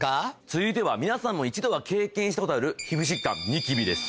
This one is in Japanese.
続いては皆さんも一度は経験したことある皮膚疾患ニキビです。